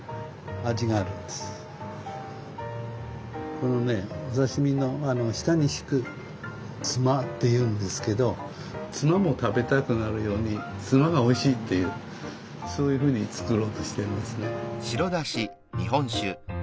このねお刺身の下に敷くつまっていうんですけどつまも食べたくなるようにつまがおいしいっていうそういうふうに作ろうとしてるんですね。